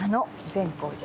「善光寺」